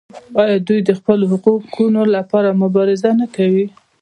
آیا دوی د خپلو حقونو لپاره مبارزه نه کوي؟